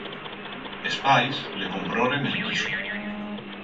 Es pais le cromporen el piso.